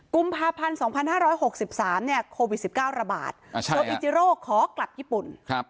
กุมภาพันธ์๒๕๖๓โควิด๑๙ระบาดโออิจิโรขอกลับญี่ปุ่น